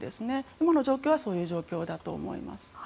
今の状況はそういう状況だと思います。